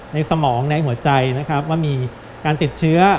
ในสมองในหัวใจว่ามีการติดเชื้อ